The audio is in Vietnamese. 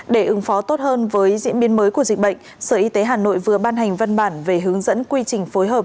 để ứng phó tốt hơn với diễn biến mới của dịch bệnh sở y tế hà nội vừa ban hành văn bản về hướng dẫn quy trình phối hợp